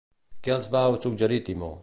Què els va suggerir Timó?